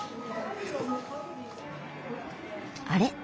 あれ？